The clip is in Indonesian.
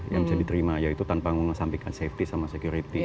yang bisa diterima yaitu tanpa mengesampingkan safety sama security